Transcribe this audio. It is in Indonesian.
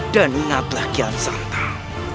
dan ingatlah kian santan